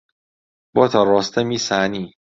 بۆتە ڕۆستەمی سانی